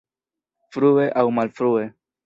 Frue aŭ malfrue!